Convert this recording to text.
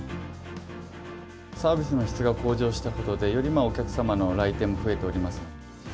サービスの質が向上したことで、よりお客様の来店も増えておりますので。